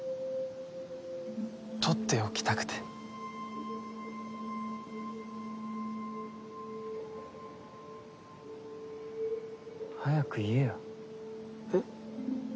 とっておきたくて早く言えよえっ？